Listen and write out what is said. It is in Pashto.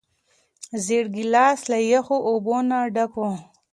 زېړ ګیلاس له یخو اوبو نه ډک و.